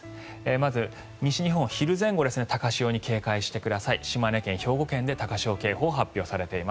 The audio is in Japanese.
まず西日本、昼前後に高潮に警戒してください。